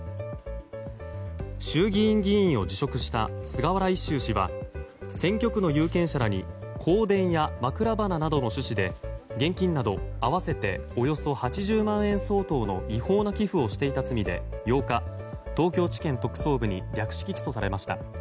衆議院議員を辞職した菅原一秀氏は選挙区の有権者らに香典や枕花などの趣旨で現金など合わせておよそ８０万円相当の違法な寄付をしていた罪で８日、東京地検特捜部に略式起訴されました。